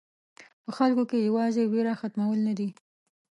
په خلکو کې یوازې وېره ختمول نه دي.